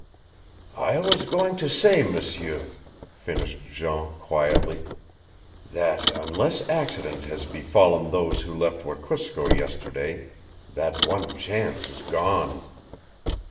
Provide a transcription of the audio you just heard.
"I was going to say, M'seur," finished Jean quietly, "that unless accident has befallen those who left Wekusko yesterday that one chance is gone.